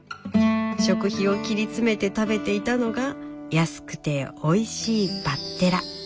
食費を切り詰めて食べていたのが安くておいしいバッテラ。